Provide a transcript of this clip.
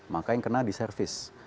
maka yang kena di service